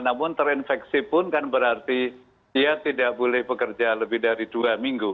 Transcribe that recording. namun terinfeksi pun kan berarti dia tidak boleh bekerja lebih dari dua minggu